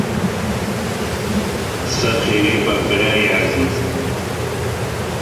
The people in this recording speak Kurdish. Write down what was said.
Ser xêrê be birayê ezîz.